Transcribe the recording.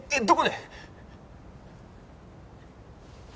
どこで！？